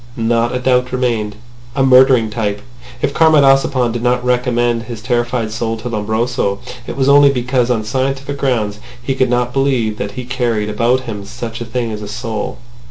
... Not a doubt remained ... a murdering type. ... If Comrade Ossipon did not recommend his terrified soul to Lombroso, it was only because on scientific grounds he could not believe that he carried about him such a thing as a soul.